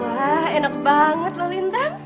wah enak banget loh lintang